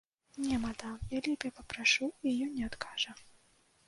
Не, мадам, я лепей папрашу, і ён не адкажа.